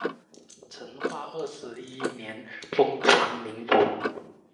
成化二十一年封长宁伯。